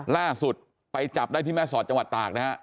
ล่าสุดไปจับได้ที่แม่สอดจังหวัดตากนะฮะ